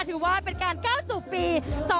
ถือว่าเป็นการก้าวสู่ปี๒๕๖